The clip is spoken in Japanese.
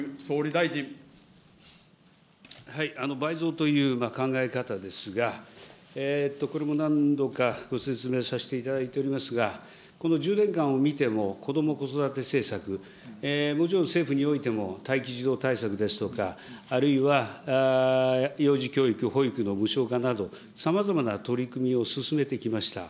倍増という考え方ですが、これも何度かご説明させていただいておりますが、この１０年間を見ても、こども・子育て政策、もちろん政府においても待機児童対策ですとか、あるいは幼児教育、保育の無償化などさまざまな取り組みを進めてきました。